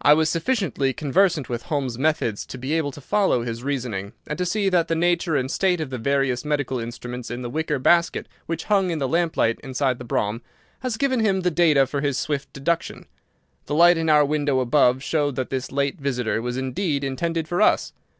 I was sufficiently conversant with Holmes's methods to be able to follow his reasoning, and to see that the nature and state of the various medical instruments in the wicker basket which hung in the lamplight inside the brougham had given him the data for his swift deduction. The light in our window above showed that this late visit was indeed intended for us.